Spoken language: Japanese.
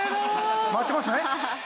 回ってますね。